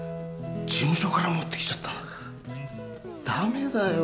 事務所から持って来ちゃったのか。ダメだよ。